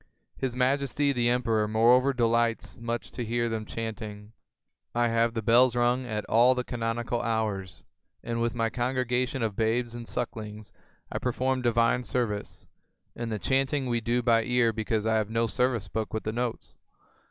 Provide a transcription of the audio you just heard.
His Majesty the Emperor moreover delights much to hear them chanting. I have the bells rung at all the canonical hours, and with my congregation of babes and sucklings, I perform divine service, and the chanting we do by ear because I have no service book with the notes.